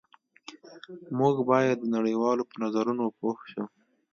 موږ باید د نړۍ والو په نظرونو پوه شو